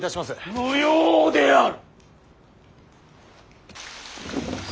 無用である！